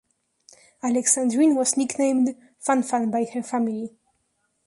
Alexandrine was nicknamed "Fanfan" by her family.